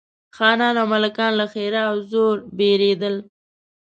خانان او ملکان له ښرا او زور بېرېدل.